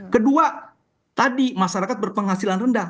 kedua tadi masyarakat berpenghasilan rendah